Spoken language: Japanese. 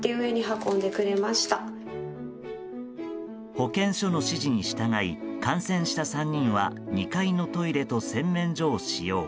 保健所の指示に従い感染した３人は２階のトイレと洗面所を使用。